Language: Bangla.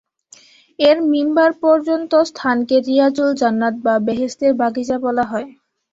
এর মিম্বার পর্যন্ত স্থানকে রিয়াজুল জান্নাত বা বেহেশতের বাগিচা বলা হয়।